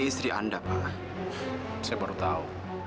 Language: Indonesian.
saya baru tahu